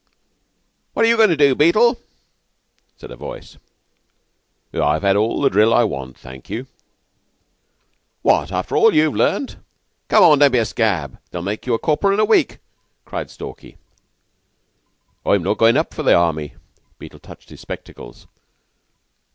"What are you goin' to do, Beetle?" said a voice. "I've had all the drill I want, thank you." "What! After all you've learned? Come on! Don't be a scab! They'll make you corporal in a week," cried Stalky. "I'm not goin' up for the Army." Beetle touched his spectacles.